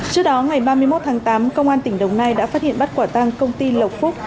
trước đó ngày ba mươi một tháng tám công an tỉnh đồng nai đã phát hiện bắt quả tăng công ty lộc phúc